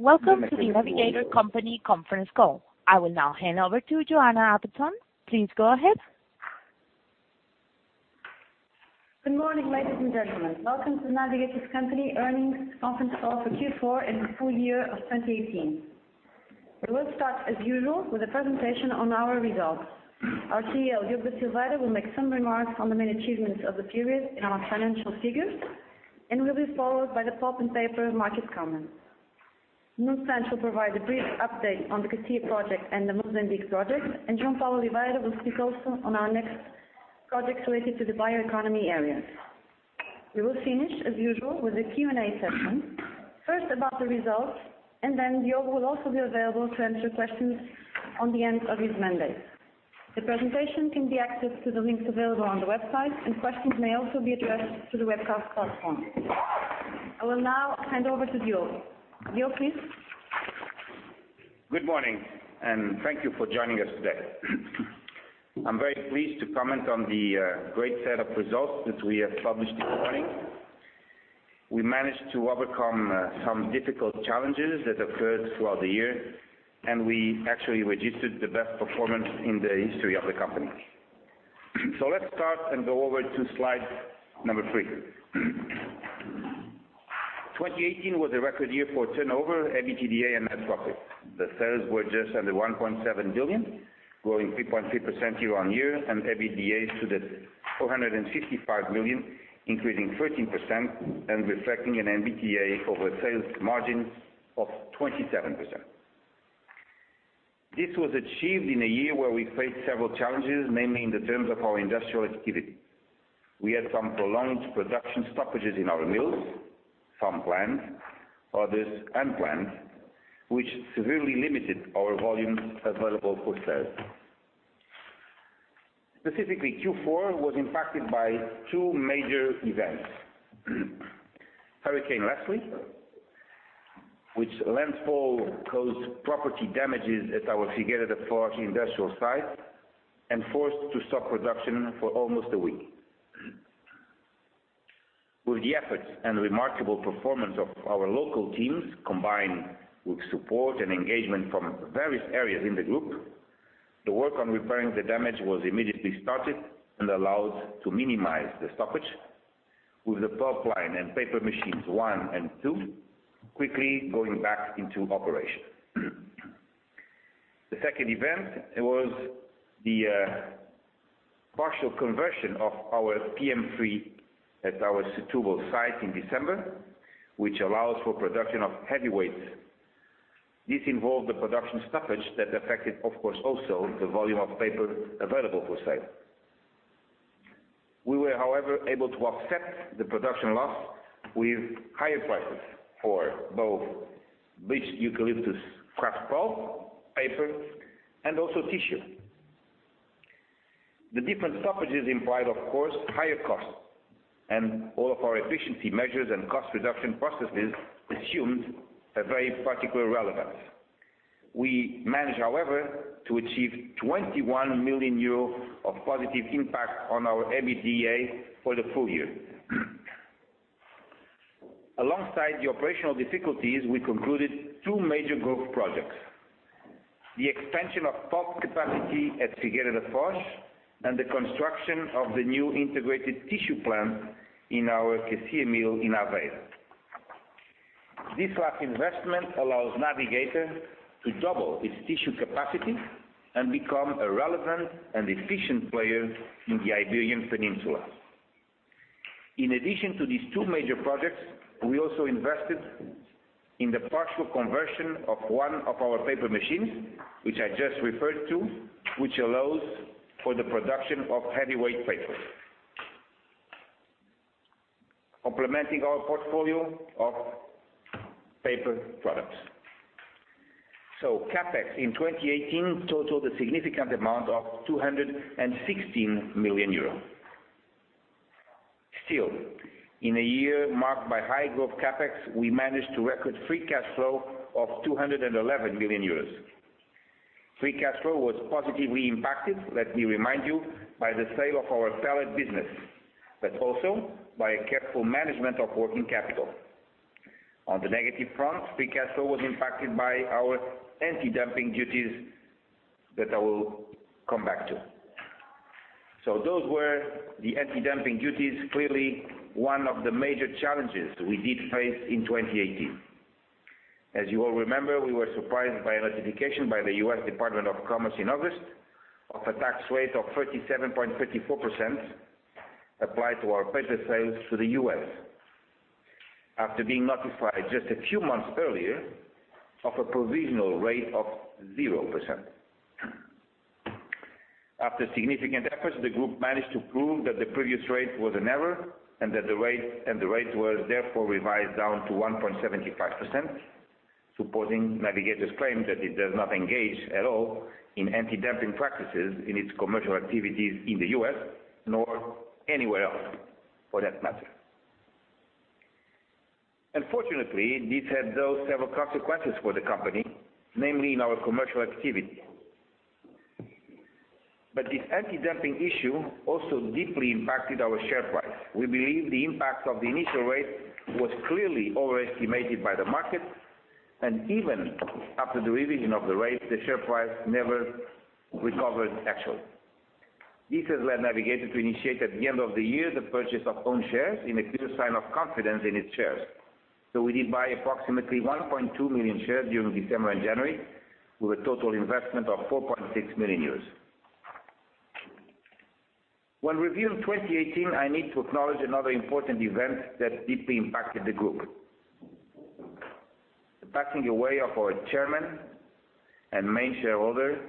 Welcome to The Navigator Company conference call. I will now hand over to Joana Appleton. Please go ahead. Good morning, ladies and gentlemen. Welcome to Navigator's company earnings conference call for Q4 and the full year of 2018. We will start, as usual, with a presentation on our results. Our CEO, Diogo Silveira, will make some remarks on the main achievements of the period and our financial figures, will be followed by the pulp and paper market comments. Nuno Santos will provide a brief update on the Cacia project and the Mozambique project. João Paulo Oliveira will speak also on our next projects related to the bioeconomy area. We will finish, as usual, with a Q&A session. First about the results, and then Diogo will also be available to answer questions on the end of his mandate. The presentation can be accessed to the links available on the website. Questions may also be addressed to the webcast platform. I will now hand over to Diogo. Diogo, please. Good morning. Thank you for joining us today. I am very pleased to comment on the great set of results that we have published this morning. We managed to overcome some difficult challenges that occurred throughout the year, and we actually registered the best performance in the history of the company. Let's start and go over to slide number three. 2018 was a record year for turnover, EBITDA, and net profit. The sales were just under 1.7 billion, growing 3.3% year-on-year. EBITDA to the 455 million, increasing 13% and reflecting an EBITDA over sales margin of 27%. This was achieved in a year where we faced several challenges, mainly in the terms of our industrial activity. We had some prolonged production stoppages in our mills, some planned, others unplanned, which severely limited our volumes available for sale. Specifically, Q4 was impacted by two major events. Hurricane Leslie, which landfall caused property damages at our Figueira da Foz industrial site and forced to stop production for almost a week. With the efforts and remarkable performance of our local teams, combined with support and engagement from various areas in the group, the work on repairing the damage was immediately started and allowed to minimize the stoppage with the pulp line and paper machines one and two quickly going back into operation. The second event was the partial conversion of our PM3 at our Setúbal site in December, which allows for production of heavyweight. This involved the production stoppage that affected, of course, also the volume of paper available for sale. We were, however, able to offset the production loss with higher prices for both bleached eucalyptus kraft pulp, paper, and also tissue. The different stoppages implied, of course, higher cost and all of our efficiency measures and cost reduction processes assumed a very particular relevance. We managed, however, to achieve 21 million euro of positive impact on our EBITDA for the full year. Alongside the operational difficulties, we concluded two major growth projects. The expansion of pulp capacity at Figueira da Foz and the construction of the new integrated tissue plant in our Cacia mill in Aveiro. This last investment allows Navigator to double its tissue capacity and become a relevant and efficient player in the Iberian Peninsula. In addition to these two major projects, we also invested in the partial conversion of one of our paper machines, which I just referred to, which allows for the production of heavyweight paper. Complementing our portfolio of paper products. CapEx in 2018 totaled a significant amount of 216 million euros. Still, in a year marked by high growth CapEx, we managed to record free cash flow of 211 million euros. Free cash flow was positively impacted, let me remind you, by the sale of our pellet business, but also by a careful management of working capital. On the negative front, free cash flow was impacted by our anti-dumping duties that I will come back to. Those were the anti-dumping duties, clearly one of the major challenges we did face in 2018. As you all remember, we were surprised by a notification by the U.S. Department of Commerce in August of a tax rate of 37.34% applied to our paper sales to the U.S. after being notified just a few months earlier of a provisional rate of 0%. After significant efforts, the group managed to prove that the previous rate was an error and the rate was therefore revised down to 1.75%, supporting Navigator's claim that it does not engage at all in anti-dumping practices in its commercial activities in the U.S., nor anywhere else for that matter. Unfortunately, this had those several consequences for the company, mainly in our commercial activity. This anti-dumping issue also deeply impacted our share price. We believe the impact of the initial rate was clearly overestimated by the market, and even after the revision of the rate, the share price never recovered actually. This has led Navigator to initiate, at the end of the year, the purchase of own shares in a clear sign of confidence in its shares. We did buy approximately 1.2 million shares during December and January, with a total investment of 4.6 million euros. When reviewing 2018, I need to acknowledge another important event that deeply impacted the group. The passing away of our chairman and main shareholder,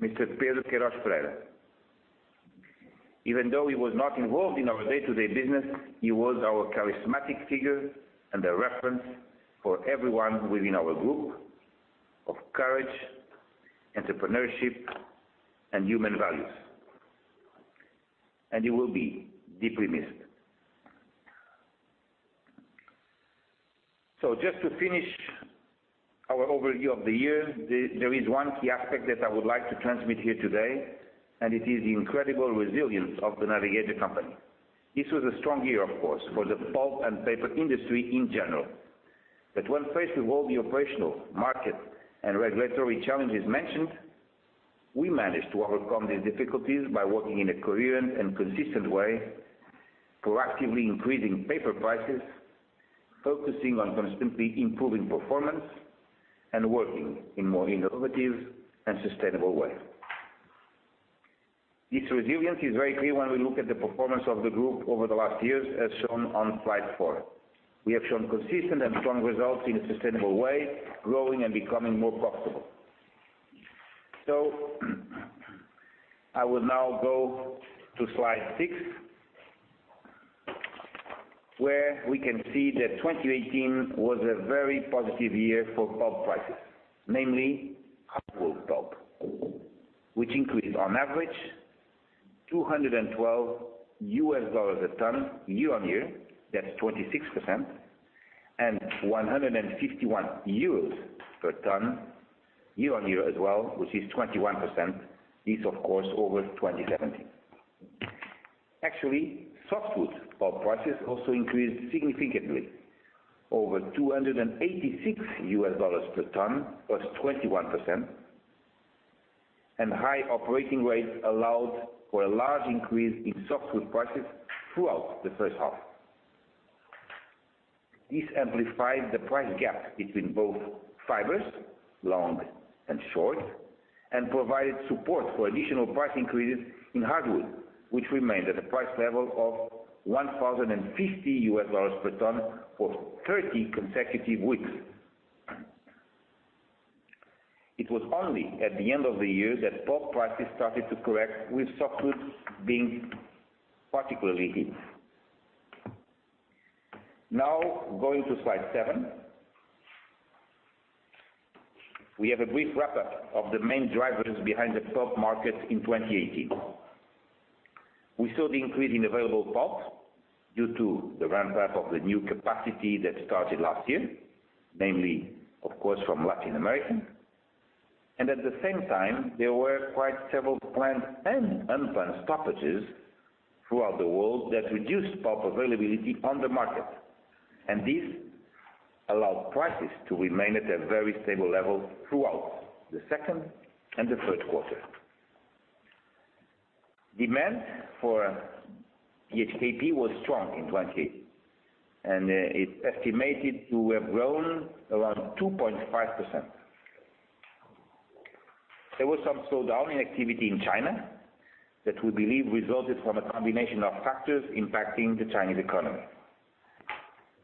Mr. Pedro Queiroz Pereira. Even though he was not involved in our day-to-day business, he was our charismatic figure and a reference for everyone within our group of courage, entrepreneurship, and human values. He will be deeply missed. Just to finish our overview of the year, there is one key aspect that I would like to transmit here today, and it is the incredible resilience of The Navigator Company. This was a strong year, of course, for the pulp and paper industry in general. When faced with all the operational, market, and regulatory challenges mentioned, we managed to overcome these difficulties by working in a coherent and consistent way, proactively increasing paper prices, focusing on constantly improving performance, and working in a more innovative and sustainable way. This resilience is very clear when we look at the performance of the group over the last years, as shown on slide four. We have shown consistent and strong results in a sustainable way, growing and becoming more profitable. I will now go to slide six, where we can see that 2018 was a very positive year for pulp prices, namely hardwood pulp, which increased on average $212 a ton year-on-year. That is 26%. 151 euros per ton year-on-year as well, which is 21%, this, of course, over 2017. Actually, softwood pulp prices also increased significantly, over $286 per ton, +21%, and high operating rates allowed for a large increase in softwood prices throughout the first half. This amplified the price gap between both fibers, long and short, and provided support for additional price increases in hardwood, which remained at a price level of $1,050 per ton for 30 consecutive weeks. It was only at the end of the year that pulp prices started to correct, with softwoods being particularly hit. Going to slide seven. We have a brief wrap-up of the main drivers behind the pulp market in 2018. We saw the increase in available pulp due to the ramp-up of the new capacity that started last year, namely, of course, from Latin America. At the same time, there were quite several planned and unplanned stoppages throughout the world that reduced pulp availability on the market. This allowed prices to remain at a very stable level throughout the second and the third quarter. Demand for BHKP was strong in 2020, and it is estimated to have grown around 2.5%. There was some slowdown in activity in China that we believe resulted from a combination of factors impacting the Chinese economy.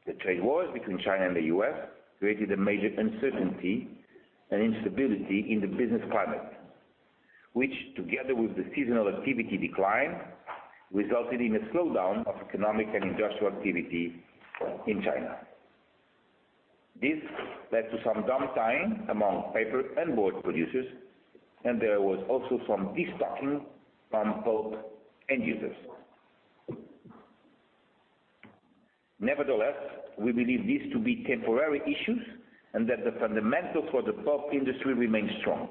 The trade wars between China and the U.S. created a major uncertainty and instability in the business climate, which together with the seasonal activity decline, resulted in a slowdown of economic and industrial activity in China. This led to some downtime among paper and board producers, and there was also some destocking from pulp end users. Nevertheless, we believe these to be temporary issues and that the fundamentals for the pulp industry remain strong.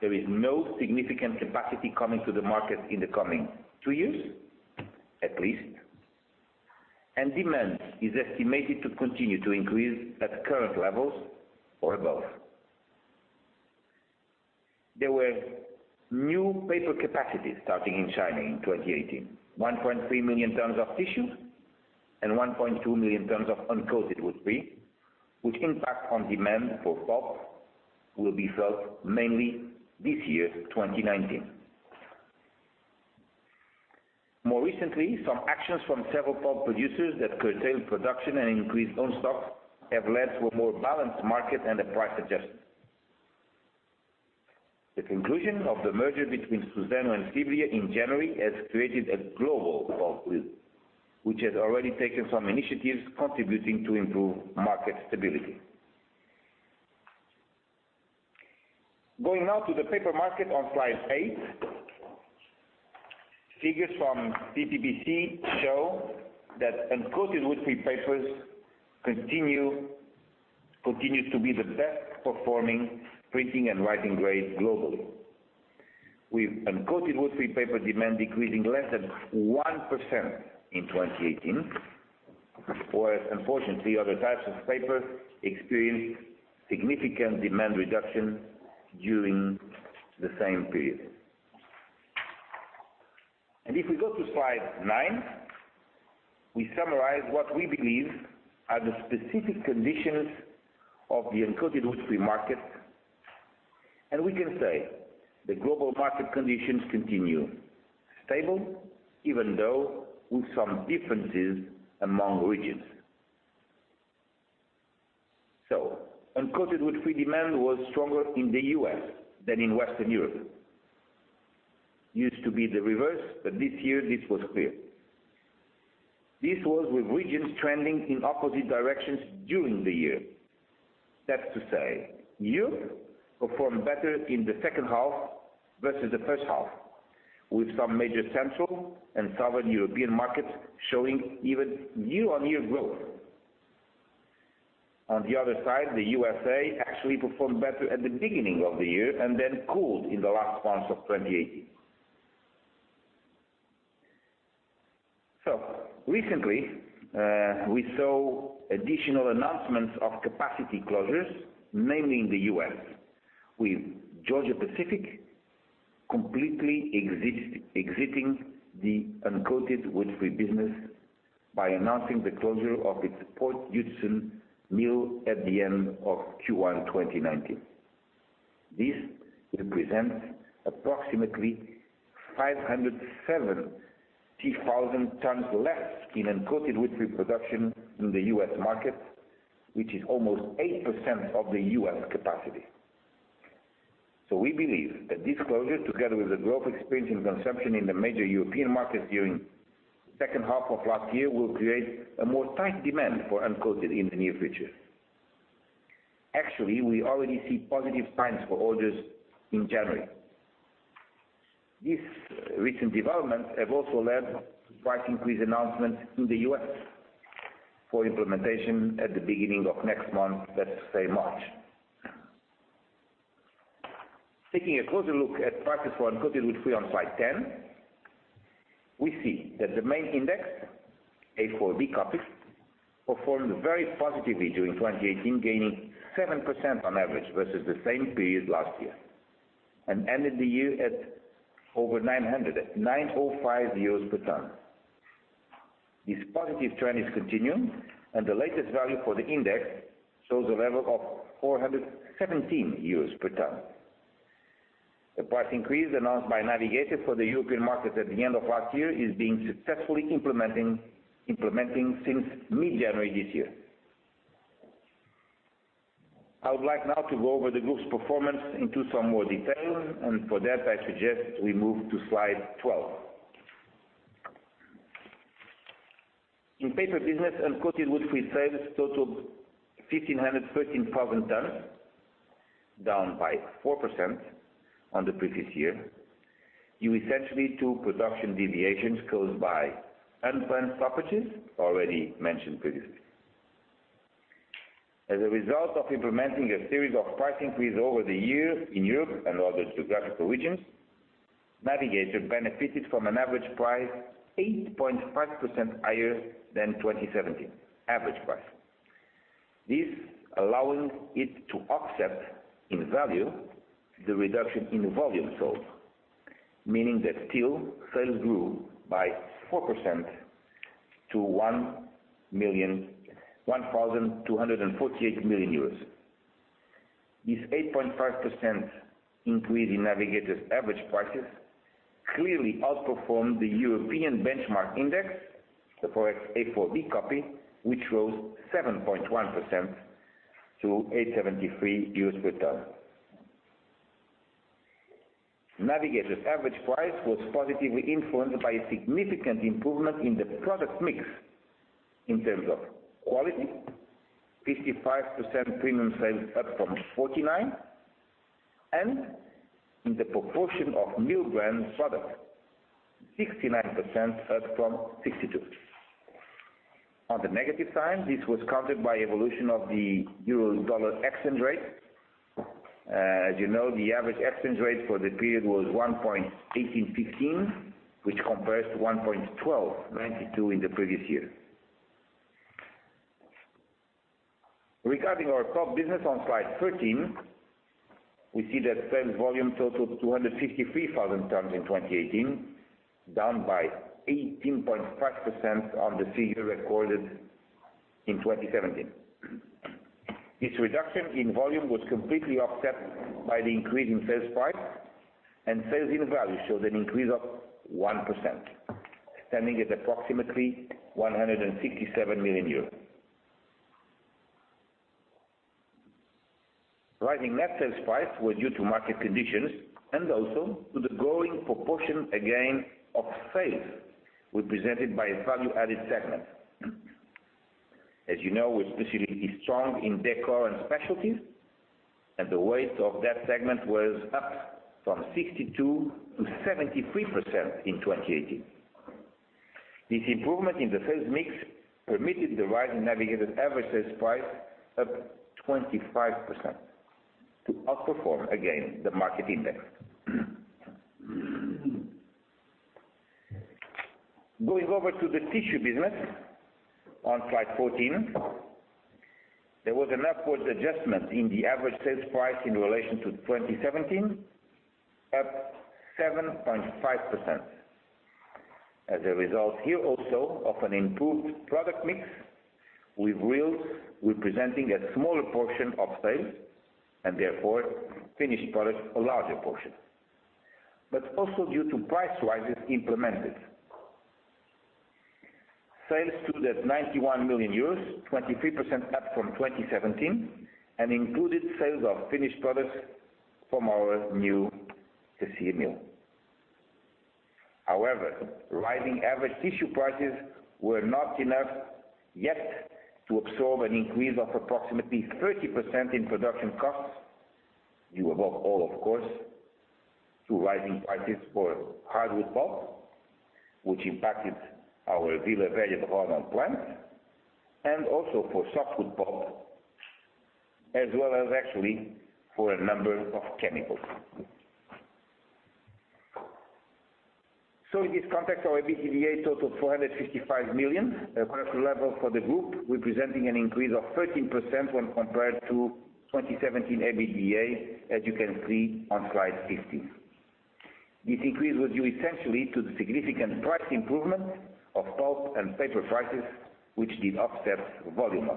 There is no significant capacity coming to the market in the coming two years, at least. Demand is estimated to continue to increase at current levels or above. There were new paper capacities starting in China in 2018. 1.3 million tons of tissue and 1.2 million tons of uncoated woodfree, which impact on demand for pulp will be felt mainly this year, 2019. More recently, some actions from several pulp producers that curtailed production and increased own stock have led to a more balanced market and a price adjustment. The conclusion of the merger between Suzano and Fibria in January has created a global pulp group, which has already taken some initiatives contributing to improve market stability. Going now to the paper market on slide eight. Figures from PPPC show that uncoated woodfree papers continue to be the best performing printing and writing grade globally. With uncoated woodfree paper demand decreasing less than 1% in 2018, whereas unfortunately, other types of paper experienced significant demand reduction during the same period. If we go to slide nine, we summarize what we believe are the specific conditions of the uncoated woodfree market. We can say the global market conditions continue stable, even though with some differences among regions. Uncoated woodfree demand was stronger in the U.S. than in Western Europe. Used to be the reverse, but this year this was clear. This was with regions trending in opposite directions during the year. That's to say, Europe performed better in the second half versus the first half, with some major central and southern European markets showing even year-on-year growth. On the other side, the USA actually performed better at the beginning of the year and then cooled in the last months of 2018. Recently, we saw additional announcements of capacity closures, mainly in the U.S., with Georgia-Pacific completely exiting the uncoated woodfree business by announcing the closure of its Port Hudson mill at the end of Q1 2019. This represents approximately 570,000 tons less in uncoated woodfree production in the U.S. market, which is almost 8% of the U.S. capacity. We believe that this closure, together with the growth experienced in consumption in the major European markets during the second half of last year, will create a more tight demand for uncoated in the near future. Actually, we already see positive signs for orders in January. These recent developments have also led to price increase announcements in the U.S. for implementation at the beginning of next month. Let's say March. Taking a closer look at prices for uncoated woodfree on slide 10, we see that the main index, A4 B-copy, performed very positively during 2018, gaining 7% on average versus the same period last year, and ended the year at over 905 euros per ton. This positive trend is continuing, and the latest value for the index shows a level of 417 euros per ton. The price increase announced by Navigator for the European market at the end of last year is being successfully implemented since mid-January this year. I would like now to go over the group's performance into some more detail, and for that, I suggest we move to slide 12. In paper business, uncoated wood-free sales totaled 1,513,000 tons, down by 4% on the previous year, due essentially to production deviations caused by unplanned stoppages already mentioned previously. As a result of implementing a series of price increase over the year in Europe and other geographical regions, Navigator benefited from an average price 8.5% higher than 2017. Average price. This allowing it to offset in value the reduction in volume sold, meaning that still sales grew by 4% to EUR 1,248 million. This 8.5% increase in Navigator's average prices clearly outperformed the European benchmark index, the FOEX PIX A4 B-copy, which rose 7.1% to 873 per ton. Navigator's average price was positively influenced by a significant improvement in the product mix in terms of quality, 55% premium sales up from 49%, and in the proportion of mill brand products, 69% up from 62%. On the negative side, this was countered by evolution of the euro-dollar exchange rate. As you know, the average exchange rate for the period was 1.1815, which compares to 1.1292 in the previous year. Regarding our pulp business on slide 13, we see that sales volume totaled 253,000 tons in 2018, down by 18.5% on the figure recorded in 2017. This reduction in volume was completely offset by the increase in sales price, and sales in value showed an increase of 1%, standing at approximately EUR 167 million. Rising net sales price was due to market conditions and also to the growing proportion, again, of sales represented by value-added segment. As you know, we're specifically strong in decor and specialties, and the weight of that segment was up from 62%-73% in 2018. This improvement in the sales mix permitted the rising Navigator average sales price up 25% to outperform again the market index. Going over to the tissue business on slide 14, there was an upward adjustment in the average sales price in relation to 2017, up 7.5%. As a result here also of an improved product mix with reels representing a smaller portion of sales and therefore finished products a larger portion. Also due to price rises implemented. Sales stood at 91 million euros, 23% up from 2017 and included sales of finished products from our new tissue mill. However, rising average tissue prices were not enough yet to absorb an increase of approximately 30% in production costs, due above all, of course, to rising prices for hardwood pulp, which impacted our Vila Real plant, and also for softwood pulp, as well as actually for a number of chemicals. In this context, our EBITDA totaled 455 million, a record level for the group, representing an increase of 13% when compared to 2017 EBITDA as you can see on slide 15. This increase was due essentially to the significant price improvement of pulp and paper prices, which did offset volume.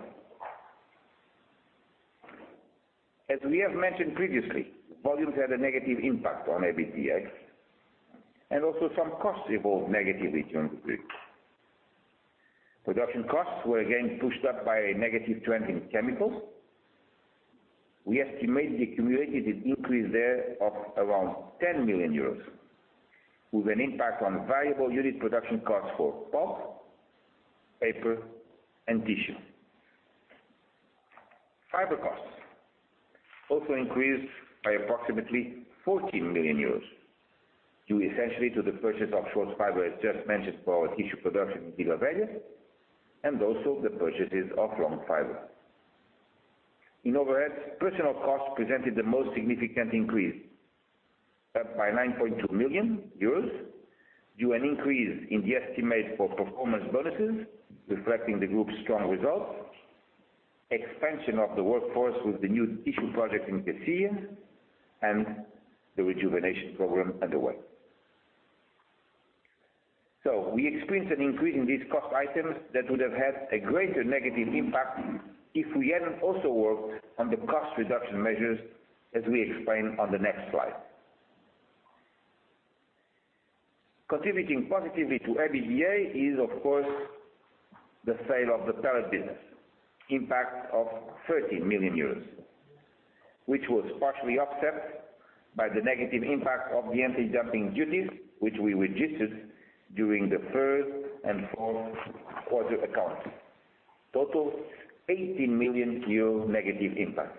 As we have mentioned previously, volumes had a negative impact on EBITDA and also some costs evolved negatively during the period. Production costs were again pushed up by a negative trend in chemicals. We estimate they accumulated an increase there of around 10 million euros, with an impact on variable unit production costs for pulp, paper, and tissue. Fiber costs also increased by approximately 14 million euros, due essentially to the purchase of short fiber, as just mentioned, for our tissue production in Vila Real and also the purchases of long fiber. In overheads, personal costs presented the most significant increase, up by 9.2 million euros to an increase in the estimate for performance bonuses reflecting the group's strong results, expansion of the workforce with the new tissue project in tissue and the rejuvenation program underway. We experienced an increase in these cost items that would have had a greater negative impact if we hadn't also worked on the cost reduction measures as we explain on the next slide. Contributing positively to EBITDA is, of course, the sale of the pellet business impact of 30 million euros, which was partially offset by the negative impact of the anti-dumping duties, which we registered during the third and fourth quarter accounts. Total EUR 18 million negative impact.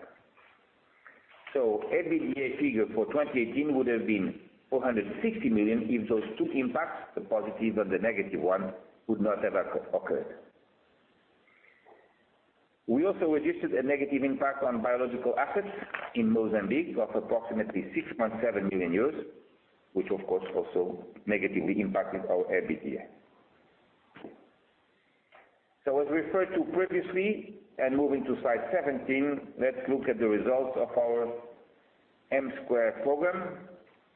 EBITDA figure for 2018 would have been 460 million if those two impacts, the positive and the negative one, would not have occurred. We also registered a negative impact on biological assets in Mozambique of approximately 6.7 million euros, which of course also negatively impacted our EBITDA. As referred to previously and moving to slide 17, let's look at the results of our M2 program,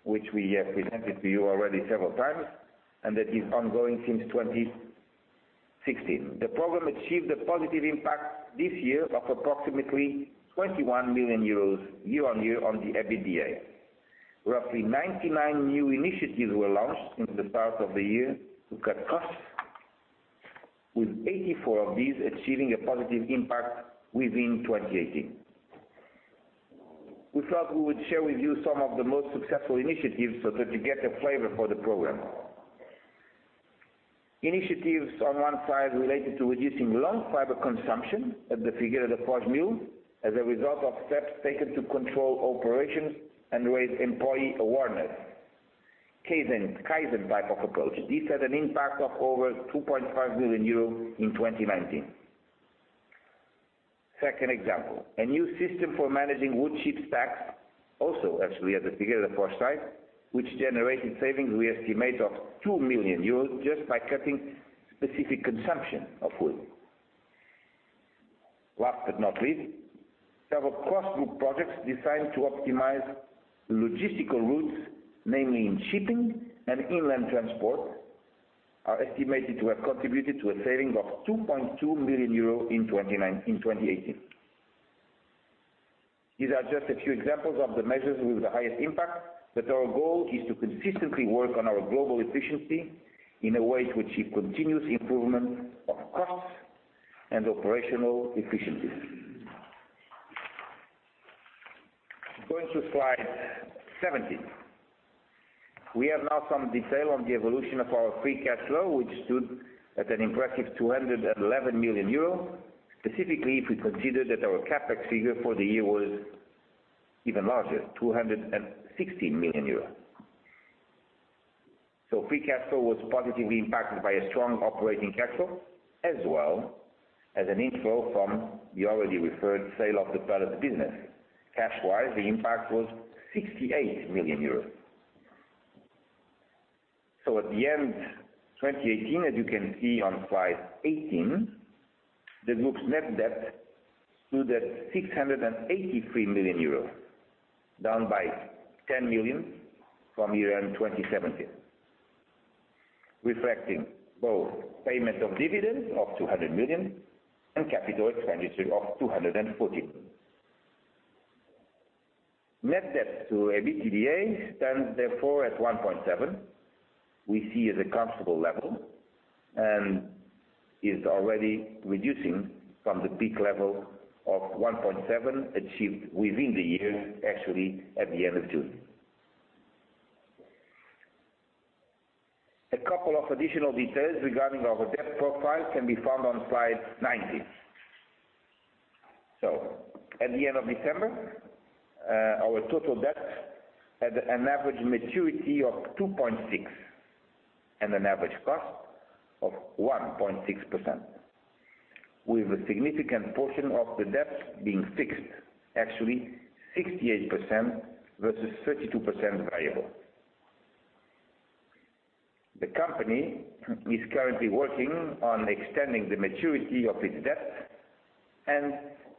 which we have presented to you already several times and that is ongoing since 2016. The program achieved a positive impact this year of approximately 21 million euros year-on-year on the EBITDA. Roughly 99 new initiatives were launched in the past of the year to cut costs, with 84 of these achieving a positive impact within 2018. We thought we would share with you some of the most successful initiatives so that you get a flavor for the program. Initiatives on one side related to reducing long fiber consumption at the Figueira da Foz mill as a result of steps taken to control operations and raise employee awareness. Kaizen type of approach. This had an impact of over 2.5 million euros in 2019. Second example, a new system for managing wood chip stacks also actually at the Figueira da Foz site, which generated savings we estimate of 2 million euros just by cutting specific consumption of wood. Last but not least, several cross-group projects designed to optimize logistical routes, namely in shipping and inland transport, are estimated to have contributed to a saving of 2.2 million euro in 2018. These are just a few examples of the measures with the highest impact, but our goal is to consistently work on our global efficiency in a way to achieve continuous improvement of costs and operational efficiencies. Go to slide 17. We have now some detail on the evolution of our free cash flow, which stood at an impressive 211 million euro. Specifically if we consider that our CapEx figure for the year was even larger, 216 million euros. Free cash flow was positively impacted by a strong operating cash flow, as well as an inflow from the already referred sale of the pellets business. Cash-wise, the impact was 68 million euros. At the end of 2018, as you can see on slide 18, the group's net debt stood at 683 million euro, down by 10 million from year-end 2017, reflecting both payment of dividends of 200 million and capital expenditure of 240 million. Net debt to EBITDA stands therefore at 1.7x, we see as a comfortable level, and is already reducing from the peak level of 1.7x achieved within the year, actually at the end of June. A couple of additional details regarding our debt profile can be found on slide [19]. At the end of December, our total debt had an average maturity of 2.6 and an average cost of 1.6%, with a significant portion of the debt being fixed, actually 68% versus 32% variable. The company is currently working on extending the maturity of its debt and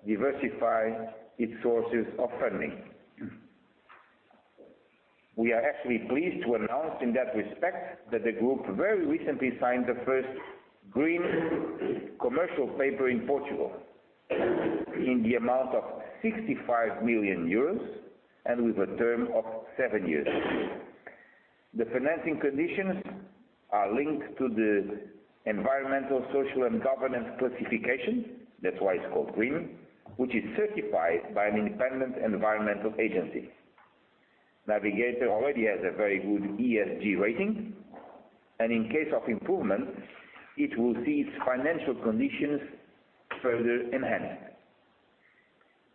diversify its sources of funding. We are actually pleased to announce in that respect that the group very recently signed the first green commercial paper in Portugal in the amount of 65 million euros and with a term of seven years. The financing conditions are linked to the environmental, social, and governance classification, that's why it's called green, which is certified by an independent environmental agency. Navigator already has a very good ESG rating, and in case of improvement, it will see its financial conditions further enhanced.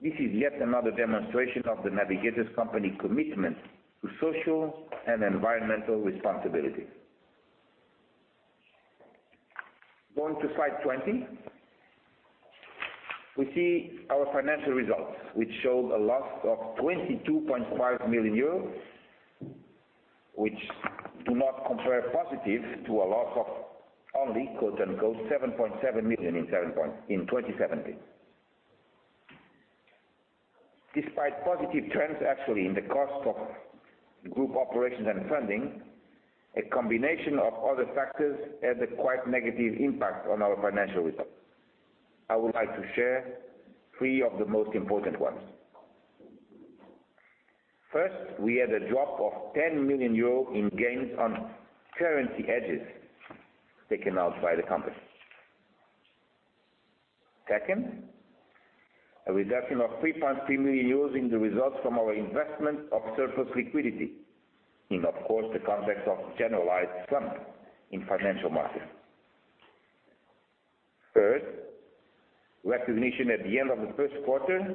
This is yet another demonstration of the Navigator's company commitment to social and environmental responsibility. Going to slide 20. We see our financial results, which showed a loss of 22.5 million euros, which do not compare positive to a loss of only, quote, unquote, "7.7 million in 2017." Despite positive trends actually in the cost of group operations and funding, a combination of other factors had a quite negative impact on our financial results. I would like to share three of the most important ones. First, we had a drop of 10 million euro in gains on currency hedges taken out by the company. Second, a reduction of 3.3 million in the results from our investment of surplus liquidity in, of course, the context of generalized slump in financial markets. Third, recognition at the end of the first quarter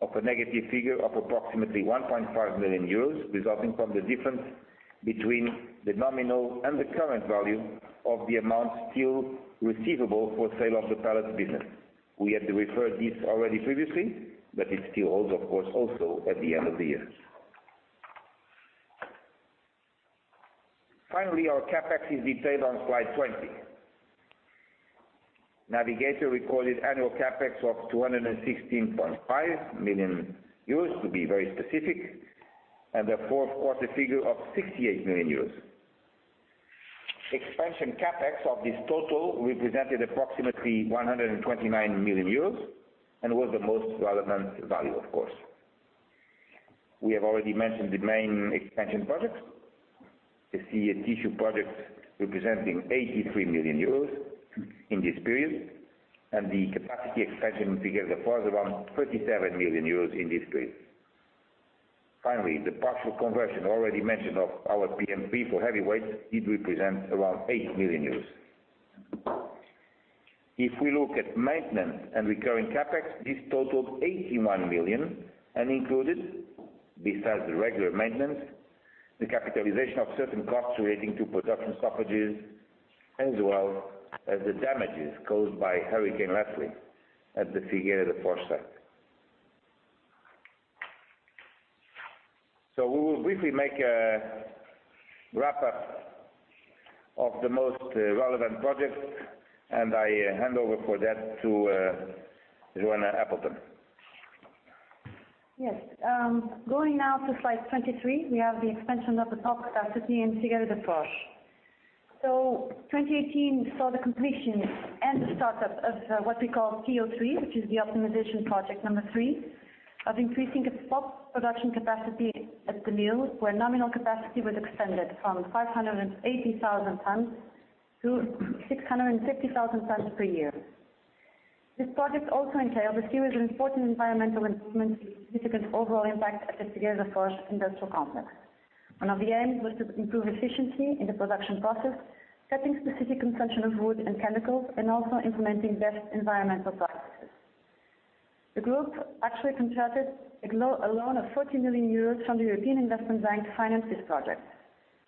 of a negative figure of approximately 1.5 million euros, resulting from the difference between the nominal and the current value of the amount still receivable for sale of the pellets business. We had referred this already previously, but it still holds, of course, also at the end of the year. Finally, our CapEx is detailed on slide 20. Navigator recorded annual CapEx of 216.5 million euros to be very specific, and a fourth quarter figure of 68 million euros. Expansion CapEx of this total represented approximately 129 million euros and was the most relevant value, of course. We have already mentioned the main expansion projects. The tissue project representing 83 million euros in this period, and the capacity expansion figure that falls around 37 million euros in this period. Finally, the partial conversion already mentioned of our PM3 for heavyweight did represent around 8 million euros. If we look at maintenance and recurring CapEx, this totaled 81 million and included, besides the regular maintenance, the capitalization of certain costs relating to production stoppages as well as the damages caused by Hurricane Leslie at the Figueira da Foz site. We will briefly make a wrap-up of the most relevant projects, and I hand over for that to Joana Appleton. Yes. Going now to slide 23, we have the expansion of the pulp capacity in Figueira da Foz. 2018 saw the completion and the start-up of what we call PO3, which is the optimization project number three of increasing its pulp production capacity at the mill, where nominal capacity was extended from 580,000 tons to 650,000 tons per year. This project also entails a series of important environmental improvements with significant overall impact at the Figueira da Foz industrial complex. One of the aims was to improve efficiency in the production process, cutting specific consumption of wood and chemicals, and also implementing best environmental practices. The group actually contracted a loan of 40 million euros from the European Investment Bank to finance this project.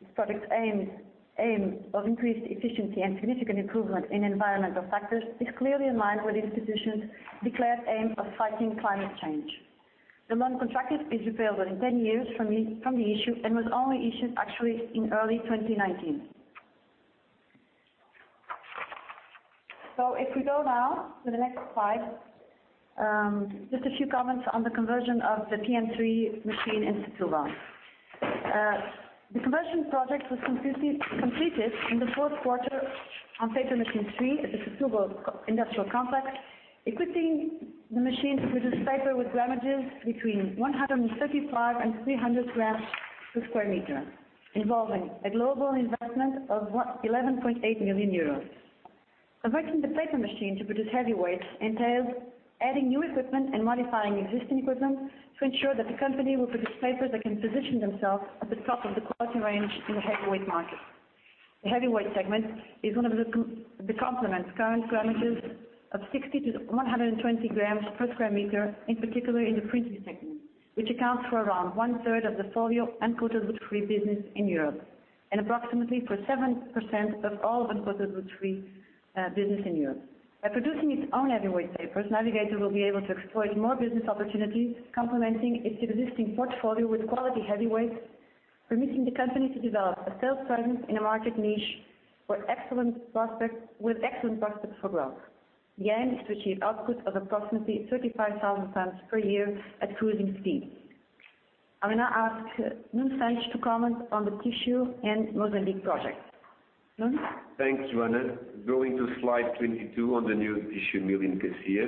This project's aim of increased efficiency and significant improvement in environmental factors is clearly in line with the institution's declared aim of fighting climate change. The loan contracted is repayable in 10 years from the issue, and was only issued actually in early 2019. If we go now to the next slide, just a few comments on the conversion of the PM3 machine in Setúbal. The conversion project was completed in the fourth quarter on Paper Machine 3 at the Setúbal industrial complex, equipping the machine to produce paper with grammages between 135 and 300 g/sq m, involving a global investment of 11.8 million euros. Converting the paper machine to produce heavyweight entails adding new equipment and modifying existing equipment to ensure that the company will produce papers that can position themselves at the top of the quality range in the heavyweight market. The heavyweight segment is one of the complements current grammages of 60 to 120 g/sq m, in particular in the printing segment, which accounts for around 1/3 of the folio and uncoated wood-free business in Europe and approximately for 7% of all the uncoated wood-free business in Europe. By producing its own heavyweight papers, Navigator will be able to exploit more business opportunities, complementing its existing portfolio with quality heavyweights, permitting the company to develop a sales presence in a market niche with excellent prospects for growth. The aim is to achieve outputs of approximately 35,000 tons per year at cruising speeds. I will now ask Nuno Santos to comment on the tissue and Mozambique project. Nuno? Thanks, Joana. Going to slide 22 on the new tissue mill in Cacia,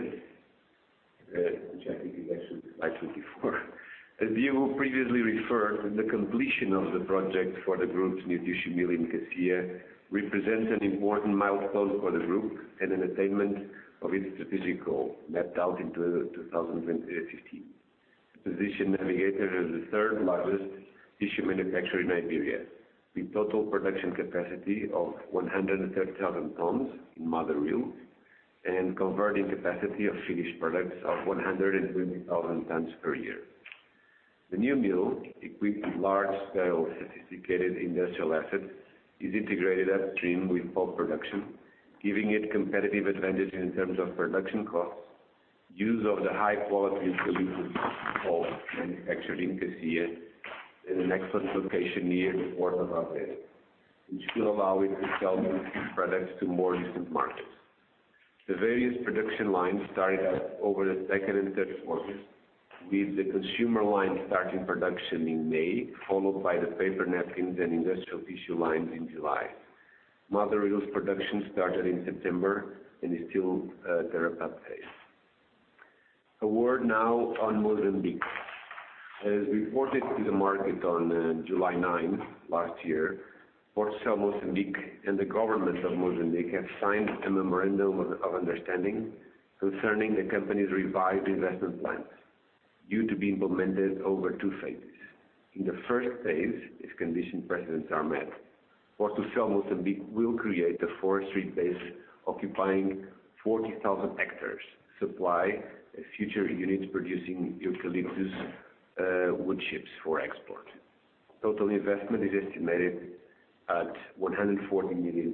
which I think is actually slide 24. As Diogo previously referred, the completion of the project for the group's new tissue mill in Cacia represents an important milestone for the group and an attainment of its strategic goal mapped out in 2015. To position Navigator as the third largest tissue manufacturer in Iberia, with total production capacity of 130,000 tons in mother reel and converting capacity of finished products of 120,000 tons per year. The new mill, equipped with large scale sophisticated industrial assets, is integrated upstream with pulp production, giving it competitive advantage in terms of production costs, use of the high quality eucalyptus pulp manufactured in Cacia, and an excellent location near the port of Aveiro, which will allow it to sell these products to more distant markets. The various production lines started up over the second and third quarters, with the consumer line starting production in May, followed by the paper napkins and industrial tissue lines in July. Mother reels production started in September and is still ramp-up phase. A word now on Mozambique. As reported to the market on July 9th last year, Portucel Moçambique and the government of Mozambique have signed a memorandum of understanding concerning the company's revised investment plans due to be implemented over two phases. In the first phase, if condition precedents are met, Portucel Moçambique will create a forestry base occupying 40,000 hectares to supply future units producing eucalyptus wood chips for export. Total investment is estimated at EUR 140 million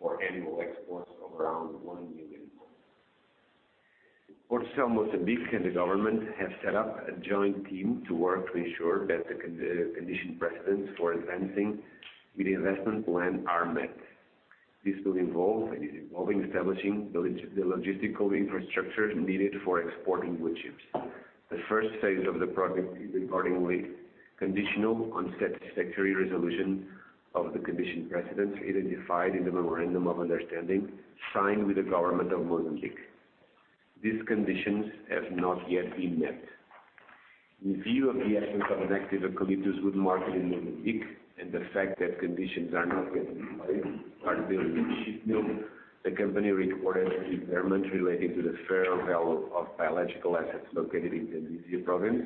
for annual exports of around 1 million tons. Portucel Moçambique and the government have set up a joint team to work to ensure that the condition precedents for advancing with the investment plan are met. This will involve and is involving establishing the logistical infrastructures needed for exporting wood chips. The first phase of the project is accordingly conditional on satisfactory resolution of the condition precedents identified in the memorandum of understanding signed with the government of Mozambique. These conditions have not yet been met. In view of the absence of an active eucalyptus wood market in Mozambique and the fact that conditions are not yet in place for the wood chip mill, the company recorded an impairment related to the fair value of biological assets located in the Zambezia province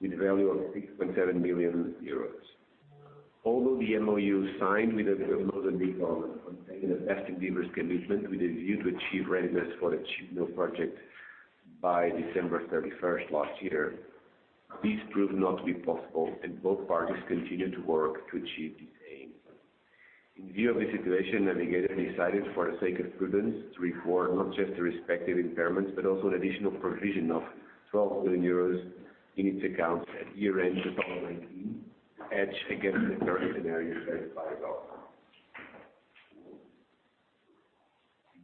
with a value of 6.7 million euros. Although the MoU signed with the Mozambican government contained a best endeavors commitment with a view to achieve readiness for the chip mill project by December 31st last year, this proved not to be possible, and both parties continue to work to achieve this aim. In view of the situation, Navigator decided for the sake of prudence to record not just the respective impairments, but also an additional provision of 12 million euros in its accounts at year-end 2019 hedged against the current scenario identified above.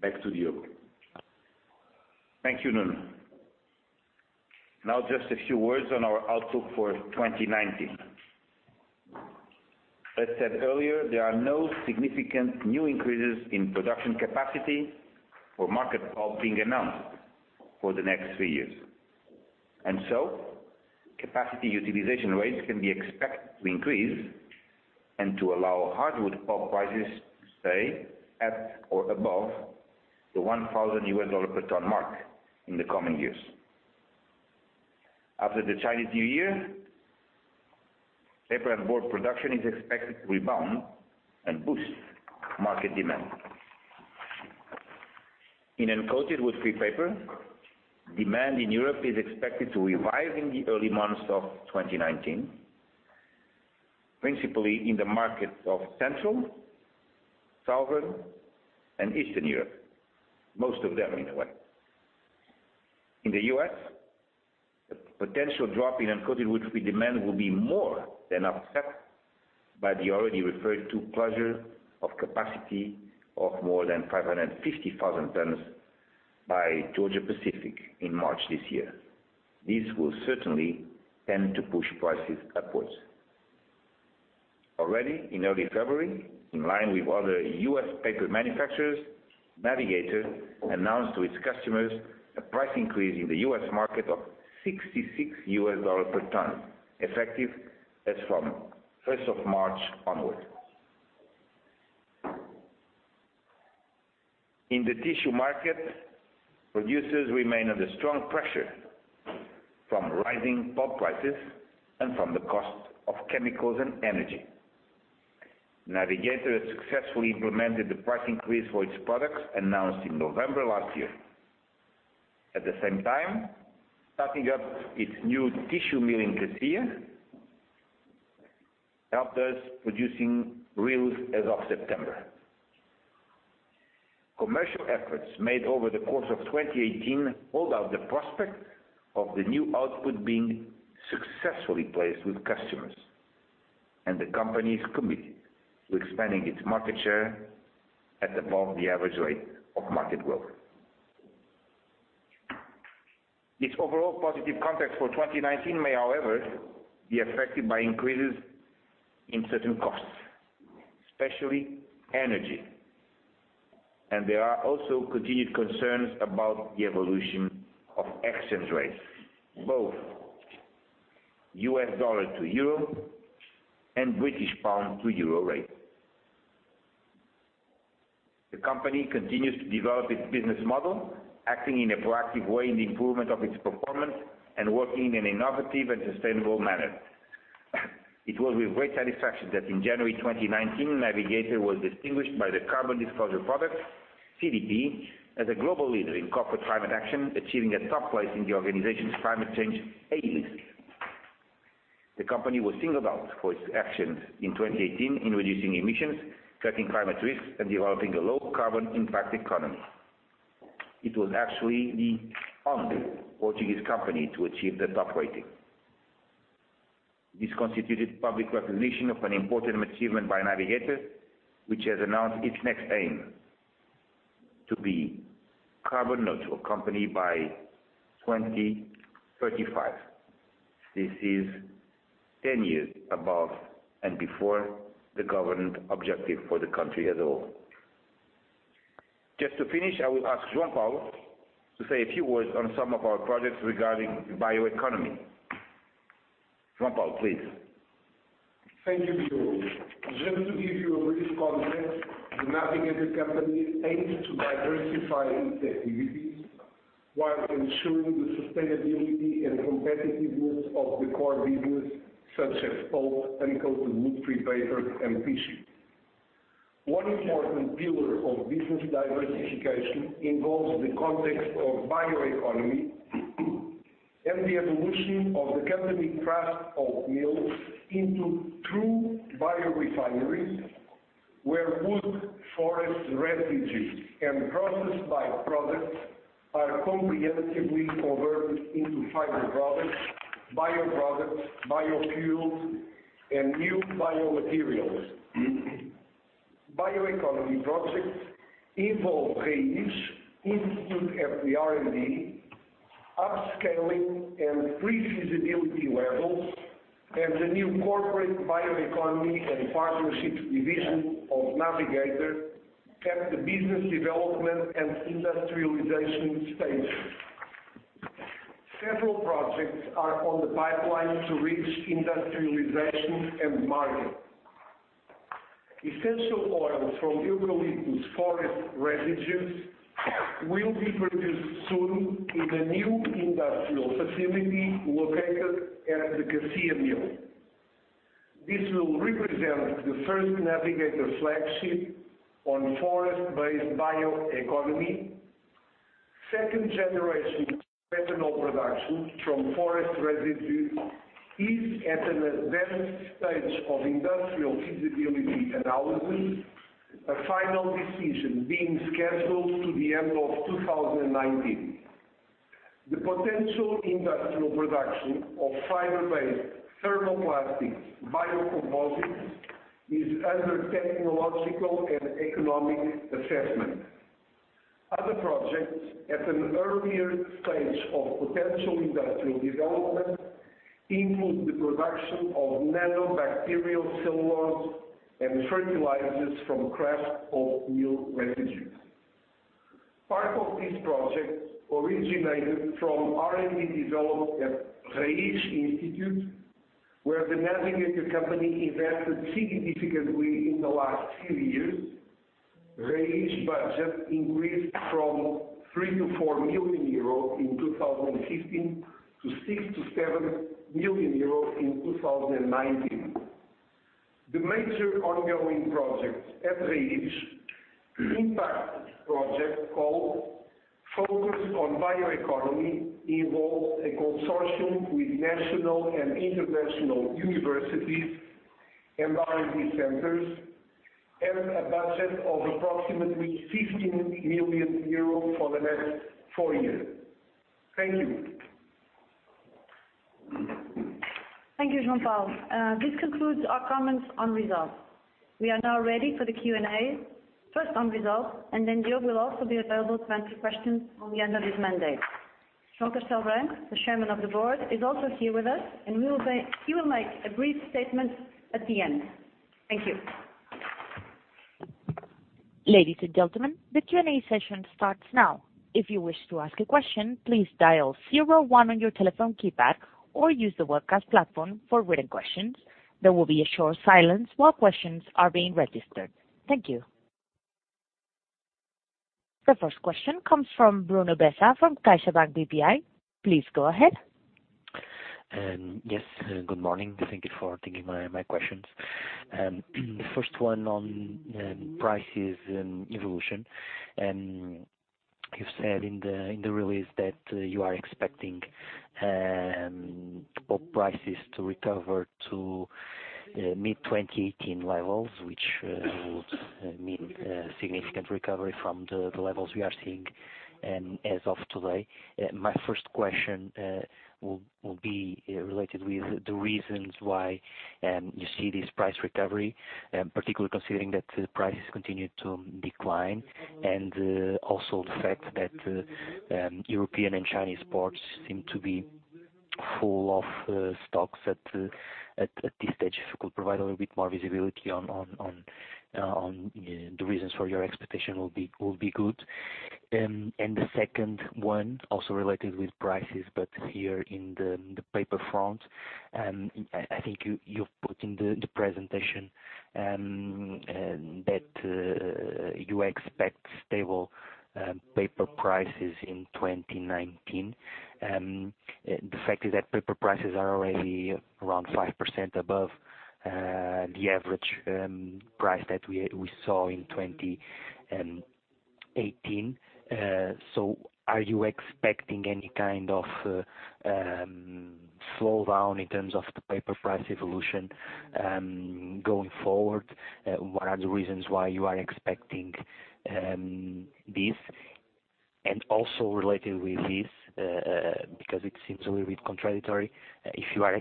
Back to you. Thank you, Nuno. Now just a few words on our outlook for 2019. As said earlier, there are no significant new increases in production capacity or market pulp being announced for the next three years Capacity utilization rates can be expected to increase and to allow hardwood pulp prices to stay at or above the $1,000 per ton mark in the coming years. After the Chinese New Year, paper and board production is expected to rebound and boost market demand. In uncoated wood-free paper, demand in Europe is expected to revive in the early months of 2019, principally in the markets of Central, Southern, and Eastern Europe, most of them in a way. In the U.S., the potential drop in uncoated wood-free demand will be more than offset by the already referred to closure of capacity of more than 550,000 tons by Georgia-Pacific in March this year. This will certainly tend to push prices upwards. Already in early February, in line with other U.S. paper manufacturers, Navigator announced to its customers a price increase in the U.S. market of $66 per ton, effective as from March 1st onward. In the tissue market, producers remain under strong pressure from rising pulp prices and from the cost of chemicals and energy. Navigator has successfully implemented the price increase for its products announced in November last year. At the same time, starting up its new tissue mill in Cacia helped us producing reels as of September. Commercial efforts made over the course of 2018 hold out the prospect of the new output being successfully placed with customers, and the company is committed to expanding its market share at above the average rate of market growth. This overall positive context for 2019 may, however, be affected by increases in certain costs, especially energy, and there are also continued concerns about the evolution of exchange rates, both U.S. dollar to euro and British pounds to euro rate. The company continues to develop its business model, acting in a proactive way in the improvement of its performance and working in an innovative and sustainable manner. It was with great satisfaction that in January 2019, Navigator was distinguished by the Carbon Disclosure Project, CDP, as a global leader in corporate climate action, achieving a top place in the organization's climate change A List. The company was singled out for its actions in 2018 in reducing emissions, cutting climate risks, and developing a low carbon impact economy. It was actually the only Portuguese company to achieve the top rating. This constituted public recognition of an important achievement by Navigator, which has announced its next aim: to be carbon-neutral company by 2035. This is 10 years above and before the government objective for the country as a whole. Just to finish, I will ask João Paulo to say a few words on some of our projects regarding the bio-economy. João Paulo, please. Thank you, Diogo. Just to give you a brief context, The Navigator Company aims to diversify its activities while ensuring the sustainability and competitiveness of the core business, such as pulp and uncoated wood-free paper and tissue. One important pillar of business diversification involves the context of bioeconomy and the evolution of the company kraft pulp mills into true biorefineries where wood forest residues and processed byproducts are comprehensively converted into fiber products, bioproducts, biofuels, and new biomaterials. Bioeconomy projects involve research, institute R&D, upscaling and pre-feasibility levels, and the new corporate bioeconomy and partnerships division of Navigator at the business development and industrialization stage. Several projects are on the pipeline to reach industrialization and market. Essential oils from eucalyptus forest residues will be produced soon in the new industrial facility located at the Cacia mill. This will represent the first Navigator flagship on forest-based bioeconomy. Second generation ethanol production from forest residue is at an advanced stage of industrial feasibility analysis. A final decision being scheduled to the end of 2019. The potential industrial production of fiber-based thermoplastic biocomposites is under technological and economic assessment. Other projects at an earlier stage of potential industrial development include the production of nanobacterial cellulose and fertilizers from kraft pulp mill residue. Part of this project originated from R&D developed at RAIZ institute, where The Navigator Company invested significantly in the last few years. RAIZ budget increased from 3 million-4 million euro in 2015 to 6 million-7 million euro in 2019. The major ongoing project at RAIZ, Inpactus project called Focused on Bioeconomy, involves a consortium with national and international universities and R&D centers, and a budget of approximately 15 million euros for the next four years. Thank you. Thank you, João Paulo. This concludes our comments on results. We are now ready for the Q&A, first on results, and then Diogo will also be available to answer questions on the end of his mandate. João Castello Branco, the Chairman of the Board, is also here with us, and he will make a brief statement at the end. Thank you. Ladies and gentlemen, the Q&A session starts now. If you wish to ask a question, please dial zero one on your telephone keypad or use the webcast platform for written questions. There will be a short silence while questions are being registered. Thank you. The first question comes from Bruno Bessa of CaixaBank BPI. Please go ahead. Yes, good morning. Thank you for taking my questions. First one on prices and evolution. You said in the release that you are expecting pulp prices to recover to mid-2018 levels, which would mean a significant recovery from the levels we are seeing as of today. My first question will be related with the reasons why you see this price recovery, particularly considering that prices continued to decline, and also the fact that European and Chinese ports seem to be full of stocks at this stage. If you could provide a little bit more visibility on the reasons for your expectation will be good. The second one, also related with prices, but here in the paper front. I think you put in the presentation that you expect stable paper prices in 2019. The fact is that paper prices are already around 5% above the average price that we saw in 2018. Are you expecting any kind of slowdown in terms of the paper price evolution going forward? What are the reasons why you are expecting this? Also related with this, because it seems a little bit contradictory. If you are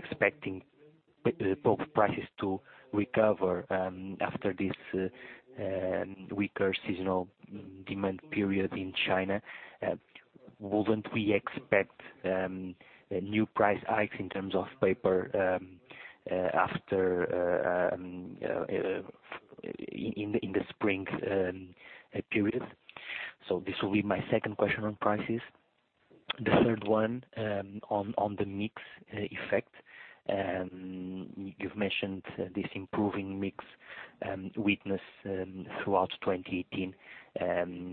expecting pulp prices to recover after this weaker seasonal demand period in China, wouldn't we expect a new price hike in terms of paper in the spring periods? This will be my second question on prices. The third one on the mix effect. You've mentioned this improving mix weakness throughout 2018.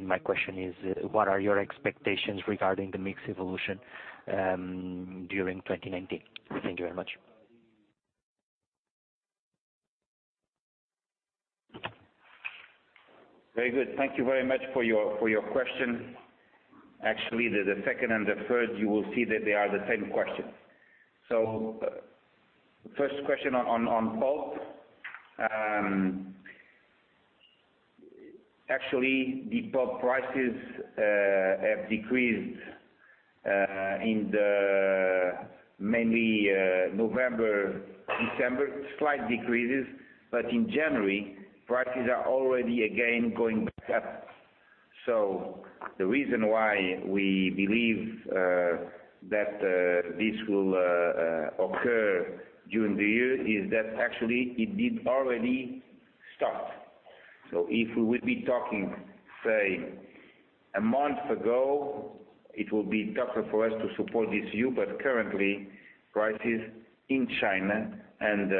My question is, what are your expectations regarding the mix evolution during 2019? Thank you very much. Very good. Thank you very much for your question. Actually, the second and the third, you will see that they are the same question. First question on pulp. Actually, the pulp prices have decreased in mainly November, December, slight decreases, but in January, prices are already again going back up. The reason why we believe that this will occur during the year is that actually it did already start. If we would be talking, say, a month ago, it will be tougher for us to support this view, but currently prices in China and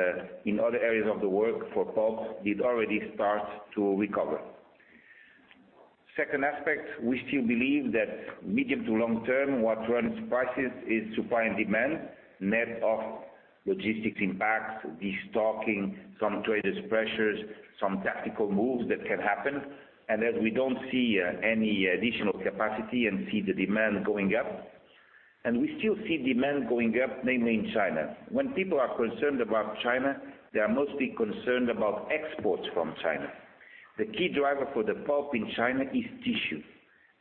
in other areas of the world for pulp did already start to recover. Second aspect, we still believe that medium to long term, what runs prices is supply and demand, net of logistics impacts, destocking, some traders pressures, some tactical moves that can happen. As we don't see any additional capacity and see the demand going up. We still see demand going up, namely in China. When people are concerned about China, they are mostly concerned about exports from China. The key driver for the pulp in China is tissue,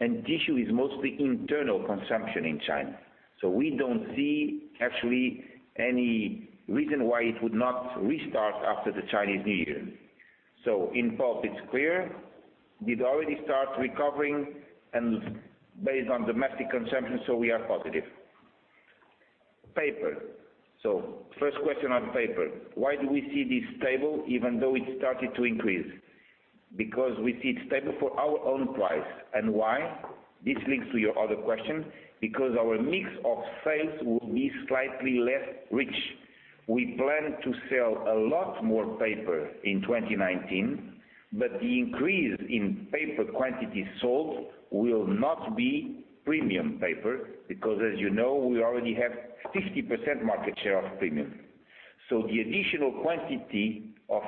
and tissue is mostly internal consumption in China. We don't see actually any reason why it would not restart after the Chinese New Year. In pulp, it's clear. We'd already start recovering and based on domestic consumption, so we are positive. Paper. First question on paper, why do we see this table even though it started to increase? We see it's stable for our own price. Why? This links to your other question, because our mix of sales will be slightly less rich. We plan to sell a lot more paper in 2019, but the increase in paper quantity sold will not be premium paper because as you know, we already have 50% market share of premium. The additional quantity of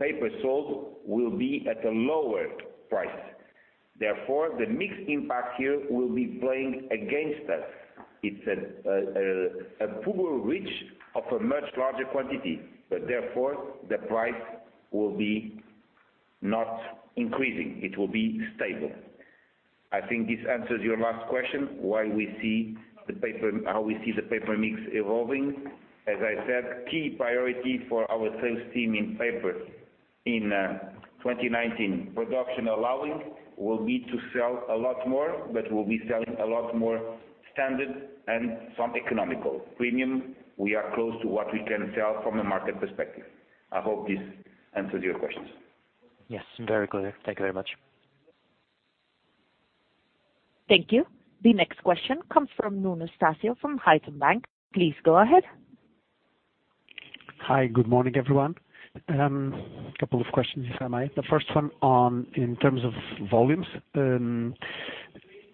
paper sold will be at a lower price. Therefore, the mix impact here will be playing against us. It's a poorer reach of a much larger quantity, but therefore the price will be not increasing. It will be stable. I think this answers your last question, how we see the paper mix evolving. As I said, key priority for our sales team in paper in 2019, production allowing, will be to sell a lot more, but we'll be selling a lot more standard and some economical. Premium, we are close to what we can sell from a market perspective. I hope this answers your questions. Yes, very clear. Thank you very much. Thank you. The next question comes from Nuno Estácio from Haitong Bank. Please go ahead. Hi. Good morning, everyone. A couple of questions, if I may. The first one in terms of volumes.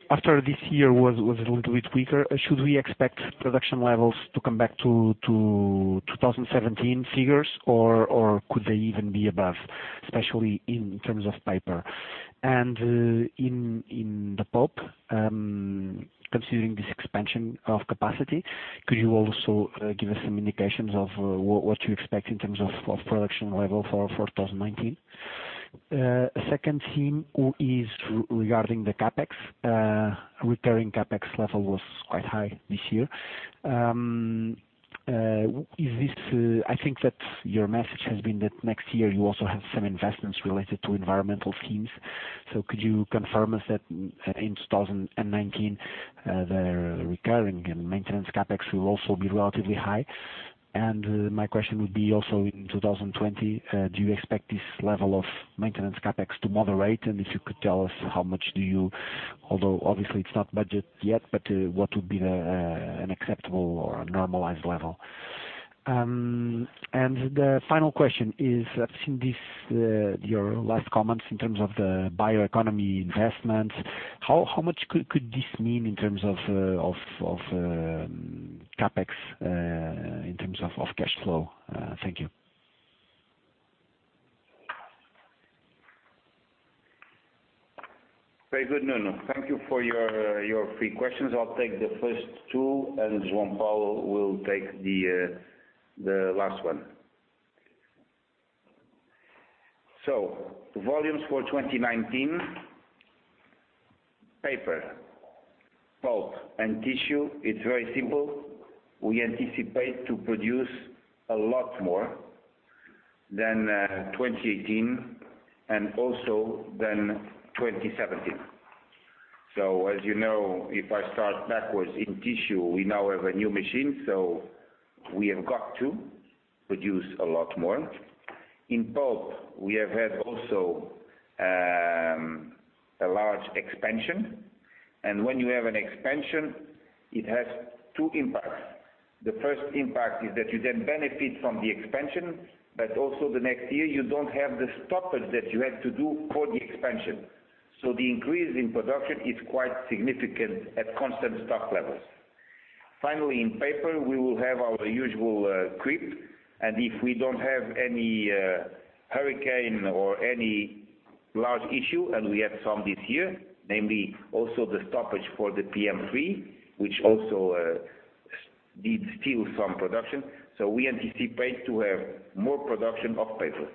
After this year was a little bit weaker, should we expect production levels to come back to 2017 figures or could they even be above, especially in terms of paper? In the pulp, considering this expansion of capacity, could you also give us some indications of what you expect in terms of production level for 2019? The second theme is regarding the CapEx. Recurring CapEx level was quite high this year. I think that your message has been that next year you also have some investments related to environmental schemes. Could you confirm us that in 2019, the recurring and maintenance CapEx will also be relatively high? My question would be also in 2020, do you expect this level of maintenance CapEx to moderate? If you could tell us how much do you, although obviously it's not budget yet, but what would be an acceptable or a normalized level? The final question is, I've seen your last comments in terms of the bioeconomy investments. How much could this mean in terms of CapEx, in terms of cash flow? Thank you. Very good, Nuno. Thank you for your three questions. I'll take the first two, and João Paulo will take the last one. Volumes for 2019. Paper, pulp, and tissue, it's very simple. We anticipate to produce a lot more than 2018, and also than 2017. As you know, if I start backwards in tissue, we now have a new machine, we have got to produce a lot more. In pulp, we have had also a large expansion, and when you have an expansion, it has two impacts. The first impact is that you then benefit from the expansion, but also the next year, you don't have the stoppage that you had to do for the expansion. The increase in production is quite significant at constant stock levels. Finally, in paper, we will have our usual creep. If we don't have any hurricane or any large issue, and we had some this year, namely also the stoppage for the PM3, which also did steal some production. We anticipate to have more production of paper.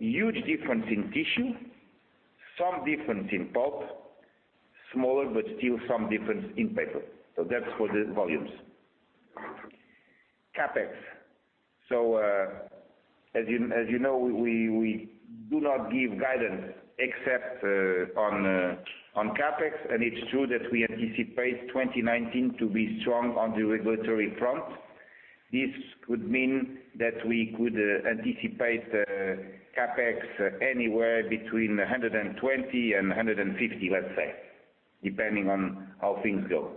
Huge difference in tissue, some difference in pulp, smaller, but still some difference in paper. That's for the volumes. CapEx. As you know, we do not give guidance except on CapEx. It's true that we anticipate 2019 to be strong on the regulatory front. This would mean that we could anticipate CapEx anywhere between 120 million and 150 million, let's say, depending on how things go.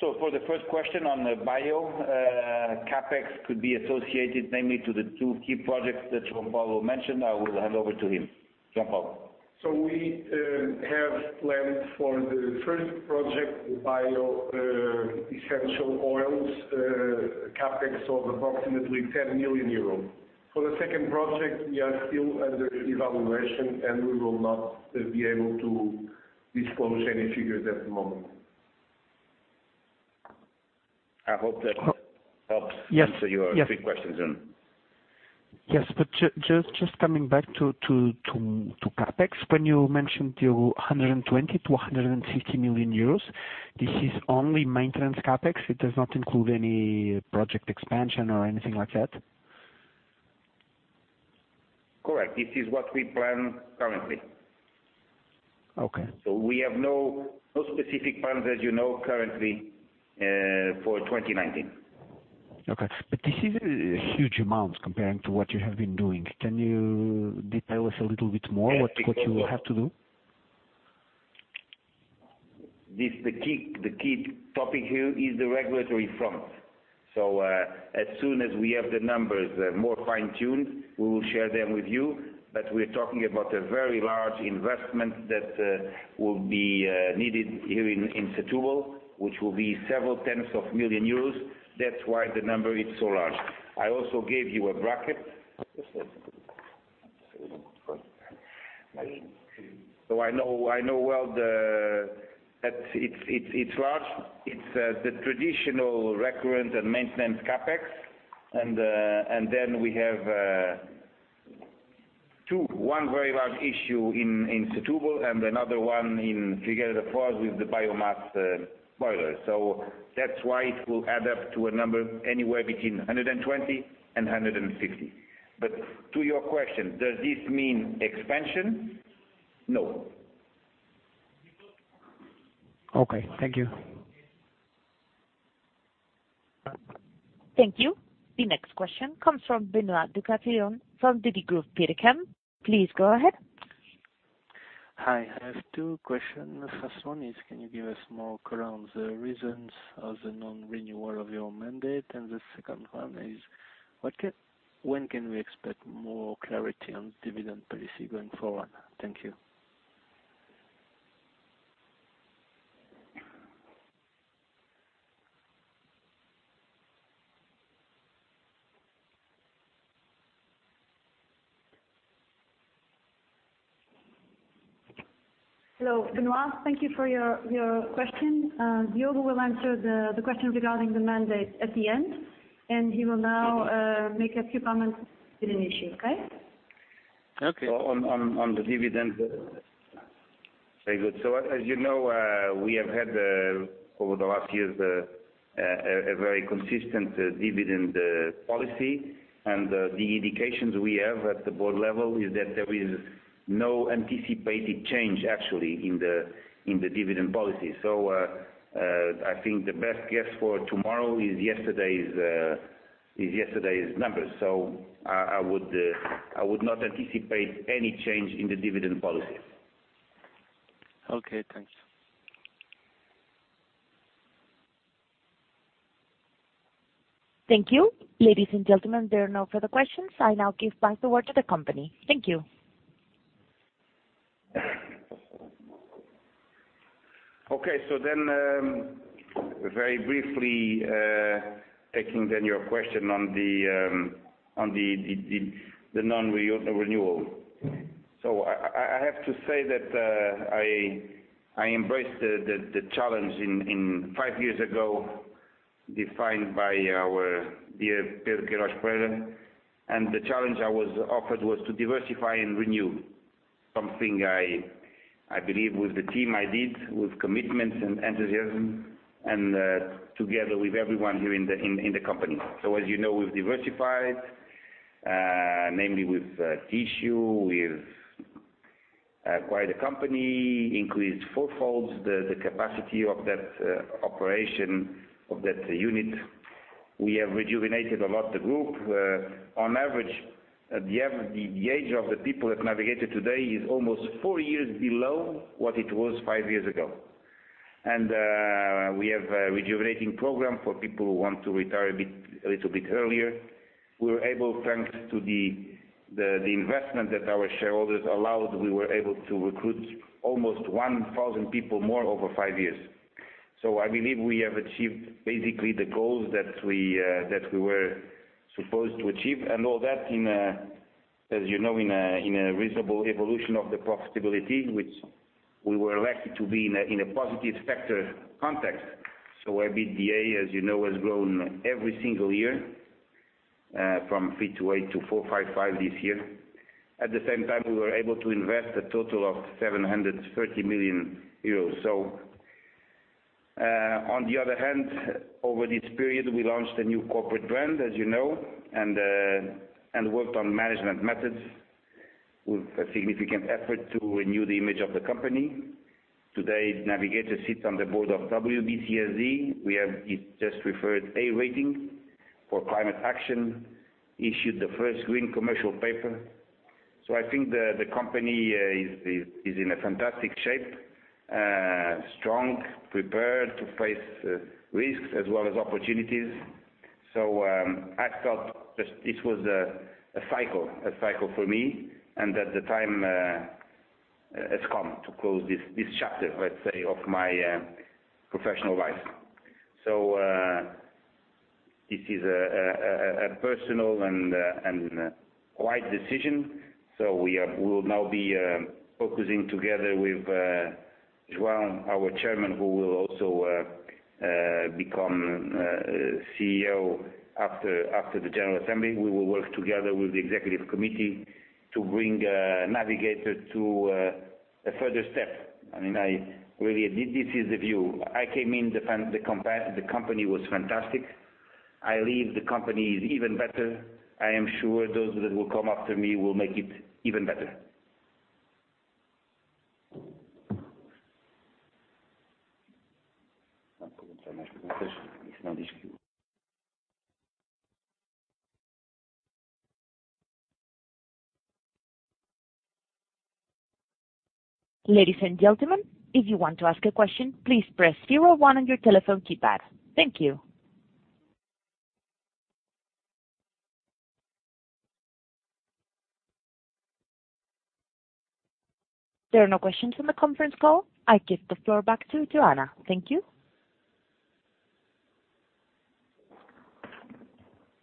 For the first question on the bio, CapEx could be associated namely to the two key projects that João Paulo mentioned. I will hand over to him. João Paulo. We have planned for the first project, bio essential oils, CapEx of approximately 10 million euros. For the second project, we are still under evaluation, and we will not be able to disclose any figures at the moment. I hope that helps answer your three questions then. Yes. Just coming back to CapEx, when you mentioned your 120 million-150 million euros, this is only maintenance CapEx? It does not include any project expansion or anything like that? This is what we plan currently. Okay. We have no specific plans, as you know, currently for 2019. Okay. This is a huge amount compared to what you have been doing. Can you detail us a little bit more what you will have to do? The key topic here is the regulatory front. As soon as we have the numbers more fine-tuned, we will share them with you. We're talking about a very large investment that will be needed here in Setúbal, which will be several tens of million EUR. That's why the number is so large. I also gave you a bracket. I know well that it's large. It's the traditional recurrent and maintenance CapEx. We have two, one very large issue in Setúbal and another one in Figueira da Foz with the biomass boiler. That's why it will add up to a number anywhere between 120 million and 160 million. To your question, does this mean expansion? No. Okay. Thank you. Thank you. The next question comes from Benoit Ducatillon from Degroof Petercam. Please go ahead. Hi. I have two questions. First one is, can you give us more color on the reasons of the non-renewal of your mandate? The second one is, when can we expect more clarity on dividend policy going forward? Thank you. Hello, Benoit. Thank you for your question. Diogo will answer the question regarding the mandate at the end, and he will now make a few comments on the issue. Okay? Okay. On the dividend. Very good. As you know, we have had, over the last years, a very consistent dividend policy. The indications we have at the board level is that there is no anticipated change, actually, in the dividend policy. I think the best guess for tomorrow is yesterday's numbers. I would not anticipate any change in the dividend policy. Okay, thanks. Thank you. Ladies and gentlemen, there are no further questions. I now give back the word to the company. Thank you. Very briefly, taking your question on the non-renewal. I have to say that I embraced the challenge five years ago, defined by our dear Pedro Queiroz Pereira. The challenge I was offered was to diversify and renew something I believe with the team I lead, with commitment and enthusiasm and together with everyone here in the company. As you know, we've diversified, namely with tissue. We've acquired a company, increased fourfold the capacity of that operation of that unit. We have rejuvenated a lot the group. On average, the age of the people at Navigator today is almost four years below what it was five years ago. We have a rejuvenating program for people who want to retire a little bit earlier. We were able, thanks to the investment that our shareholders allowed, we were able to recruit almost 1,000 people more over five years. I believe we have achieved basically the goals that we were supposed to achieve. All that in, as you know, in a reasonable evolution of the profitability, which we were lucky to be in a positive factor context. EBITDA, as you know, has grown every single year from 328 million-455 million this year. At the same time, we were able to invest a total of 730 million euros. On the other hand, over this period, we launched a new corporate brand, as you know, and worked on management methods with a significant effort to renew the image of the company. Today, Navigator sits on the board of WBCSD. We have just referred A rating for climate action, issued the first green commercial paper. I think the company is in a fantastic shape, strong, prepared to face risks as well as opportunities. I felt that it was a cycle for me, and that the time has come to close this chapter, let's say, of my professional life. This is a personal and wide decision. We will now be focusing together with João, our Chairman, who will also become CEO after the general assembly. We will work together with the executive committee to bring Navigator to a further step. This is the view. I came in, the company was fantastic. I leave the company even better. I am sure those that will come after me will make it even better. Ladies and gentlemen, if you want to ask a question, please press zero one on your telephone keypad. Thank you. There are no questions on the conference call. I give the floor back to Joana. Thank you.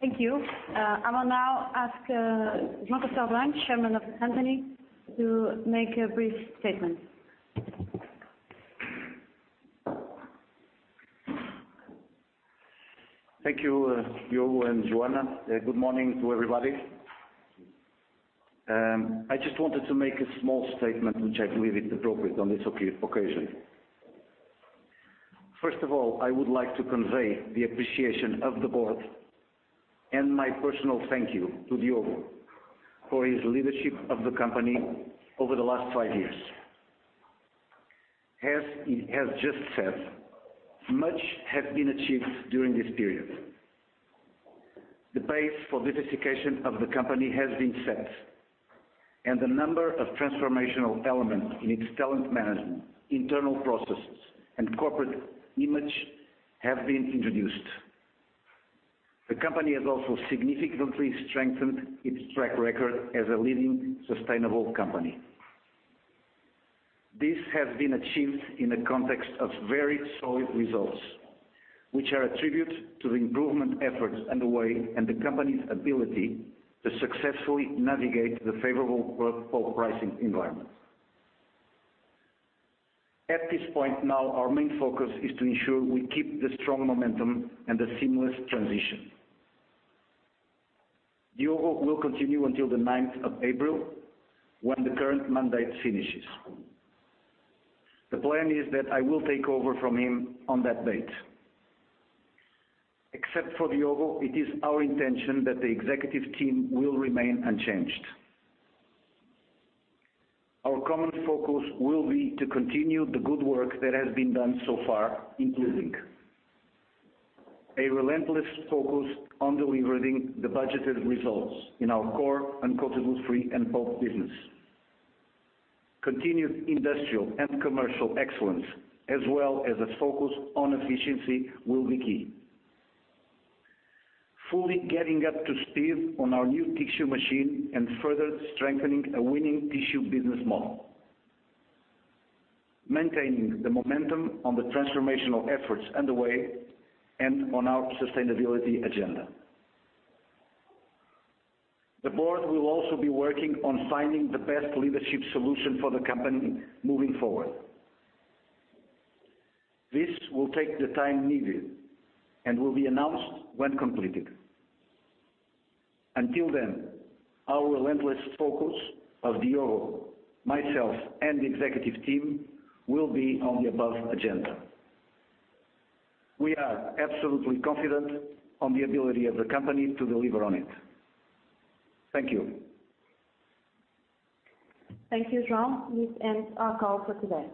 Thank you. I will now ask João Castello Branco, Chairman of the company, to make a brief statement. Thank you, [Diogo] and Joana. Good morning to everybody. I just wanted to make a small statement, which I believe is appropriate on this occasion. First of all, I would like to convey the appreciation of the board and my personal thank you to Diogo for his leadership of the company over the last five years. As he has just said, much has been achieved during this period. The base for diversification of the company has been set, and the number of transformational elements in its talent management, internal processes, and corporate image have been introduced. The company has also significantly strengthened its track record as a leading sustainable company. This has been achieved in a context of very solid results, which are a tribute to the improvement efforts underway and the company's ability to successfully navigate the favorable pulp pricing environment. At this point now, our main focus is to ensure we keep the strong momentum and the seamless transition. Diogo will continue until April 9th, when the current mandate finishes. The plan is that I will take over from him on that date. Except for Diogo, it is our intention that the executive team will remain unchanged. Our common focus will be to continue the good work that has been done so far, including a relentless focus on delivering the budgeted results in our core uncoated wood-free and pulp business. Continued industrial and commercial excellence, as well as a focus on efficiency will be key. Fully getting up to speed on our new tissue machine and further strengthening a winning tissue business model, maintaining the momentum on the transformational efforts underway and on our sustainability agenda. The board will also be working on finding the best leadership solution for the company moving forward. This will take the time needed and will be announced when completed. Until then, our relentless focus of Diogo, myself, and the executive team will be on the above agenda. We are absolutely confident on the ability of the company to deliver on it. Thank you. Thank you, João. This ends our call for today.